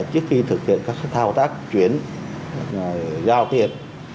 trước khi thực hiện các thao tác chuyển giao tiền